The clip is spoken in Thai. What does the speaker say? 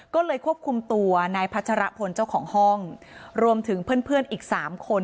ก็เลยควบคุมตัวนายพัชรพลเจ้าของห้องรวมถึงเพื่อนเพื่อนอีก๓คน